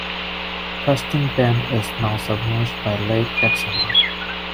Preston Bend is now submerged by Lake Texoma.